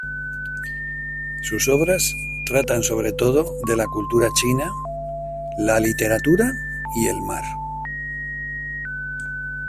Sus obras tratan sobre todo de la cultura china, la literatura y el mar.